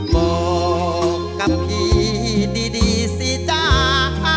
บอกกับพี่ดีสิจ้า